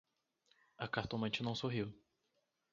A cartomante não sorriu: